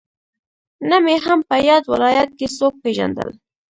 نه مې هم په ياد ولايت کې څوک پېژندل.